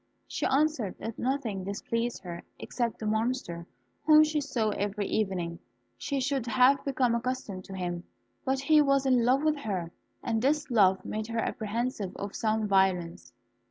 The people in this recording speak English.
She answered that nothing displeased her, except the Monster whom she saw every evening. She should have become accustomed to him, but he was in love with her, and this love made her apprehensive of some violence.